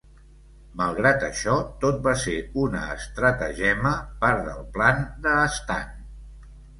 Malgrat això, tot va ser una estratagema, part del plan de Stan.